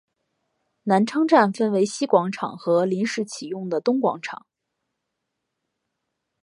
南昌站分为西广场和临时启用的东广场。